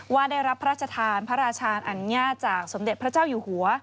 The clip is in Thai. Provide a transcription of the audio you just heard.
ว่าได้รับพระราชทานพระราชานอัญญาจากสมเด็จพระเจ้าอยู่หัว